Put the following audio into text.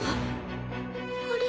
あれ？